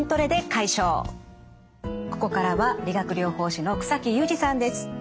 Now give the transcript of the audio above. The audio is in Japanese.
ここからは理学療法士の草木雄二さんです。